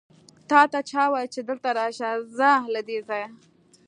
تاته چا وويل چې دلته راشه؟ ځه له دې ځايه!